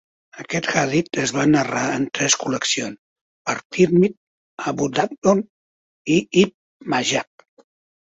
Aquest hadit es va narrar en tres col·leccions per Tirmidhi, Abu Dawood, i Ibn Majah.